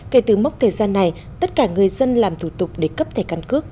kể từ mốc thời gian này tất cả người dân làm thủ tục để cấp thẻ căn cước